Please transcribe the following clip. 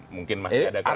mungkin masih ada keaduan